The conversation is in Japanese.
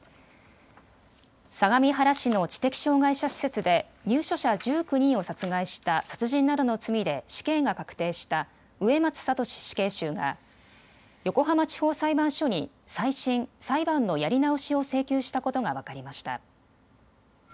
相模原市の知的障害者施設で入所者１９人を殺害した殺人などの罪で死刑が確定した植松聖死刑囚が横浜地方裁判所に再審・裁判のやり直しを請求したことが分かりました。